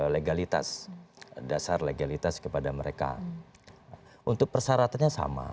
legalitas dasar legalitas kepada mereka untuk persyaratannya sama